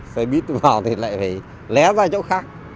xe bít vào thì lại phải lé ra chỗ khác